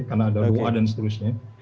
karena ada dua dan seterusnya